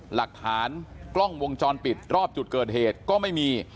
หลักฐานกล้องวงจรปิดรอบจุดเกิดเหตุก็ไม่มี